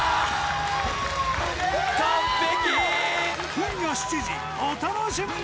今夜７時お楽しみに！